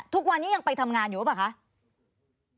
ทุกวันนี้ยังไปทำงานอยู่หรือเปล่าคะ